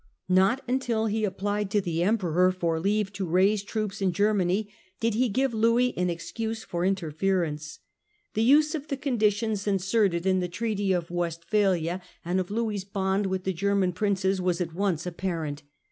Not until he ap plied to the Emperor for leave to raise troops in Germany did he give Louis an excuse for interference. The use of the conditions inserted in the Treaty of Westphalia and of Louis's bond with the German princes was at once ap parent.